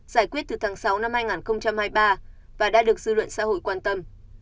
giải quyết từ tháng sáu năm hai nghìn hai mươi ba và đã được dư luận xã hội quan tâm